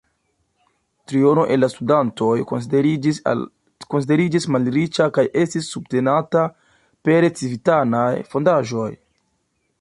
Triono el la studantoj konsideriĝis malriĉa kaj estis subtenata pere de civitanaj fondaĵoj.